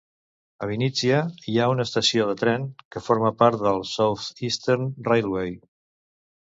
A Vínnitsia hi ha una estació de tren que forma part de South-Eastern Railiway.